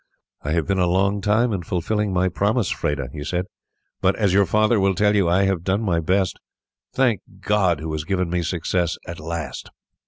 "I have been a long time in fulfilling my promise, Freda," he said; "but as your father will tell you I have done my best. Thank God, who has given me success at last!"